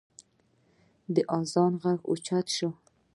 د اذان غږ اوچت شو.